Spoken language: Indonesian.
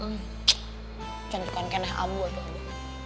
jangan cek kena abu atau abu